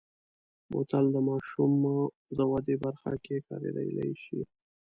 بوتل د ماشومو د ودې برخه کې کارېدلی شي.